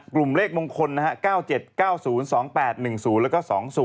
กลุ่มเลขมงคลนะฮะ๙๗๙๐๒๘๑๐แล้วก็๒๐